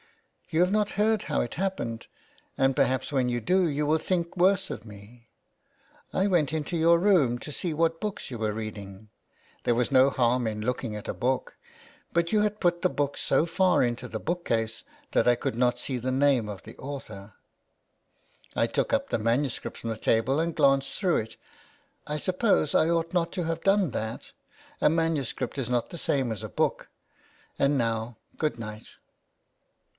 " You have not yet heard how it happened, and perhaps when you do you will think worse of me. I went into your room to see what books you were 370 THE WILD GOOSE. reading. There was no harm in looking at a book ; but you had put the books so far into the book case that I could not see the name of the author. I took up the manuscript from the table and glanced through it. I suppose 1 ought not to have done that : a manuscript is not the same as a book. And now good night."